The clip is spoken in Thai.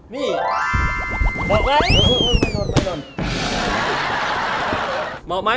นี่บอกไหม